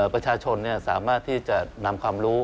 ประชาชนสามารถที่จะนำความรู้